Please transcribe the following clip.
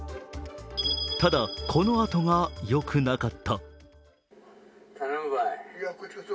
ただ、このあとがよくなかった。